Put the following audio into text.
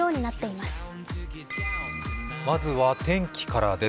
まずは天気からです。